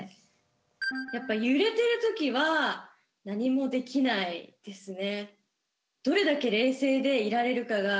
やっぱり揺れてる時は何もできないですね。